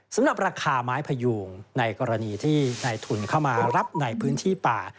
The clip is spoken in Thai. สำหรับราคาไม้พยูงในกรณีที่ในทุนเข้ามารับในพื้นที่ป่า